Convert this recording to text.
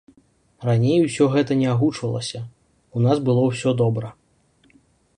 Раней усё гэта не агучвалася, у нас было ўсё добра.